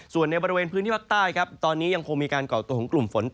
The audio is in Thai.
ส่วนในบริเวณพื้นที่ภาคใต้ครับตอนนี้ยังคงมีการก่อตัวของกลุ่มฝน